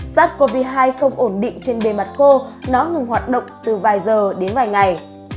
sars cov hai không ổn định trên bề mặt khô nó ngừng hoạt động từ vài giờ đến vài ngày